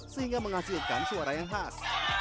sehingga menghasilkan suara yang khas